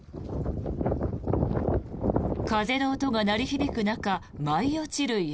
風の音が鳴り響く中舞い落ちる雪。